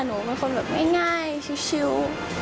หนูเป็นคนแบบง่ายชิว